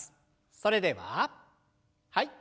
それでははい。